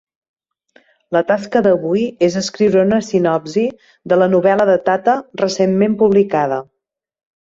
La tasca d'avui és escriure una sinopsi de la novel·la de Tata recentment publicada.